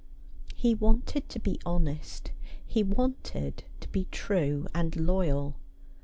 He wanted to be honest ; he wanted to be true and loyal.